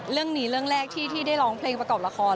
เรื่องนี้เรื่องแรกที่ได้ร้องเพลงประกอบละคร